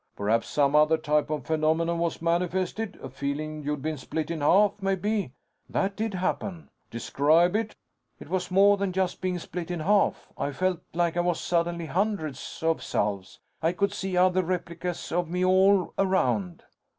"Perhaps some other type of phenomenon was manifested? A feeling you'd been split in half, maybe." "That did happen." "Describe it." "It was more than just being split in half. I felt like I was suddenly hundreds of selves. I could see other replicas of 'me' all around."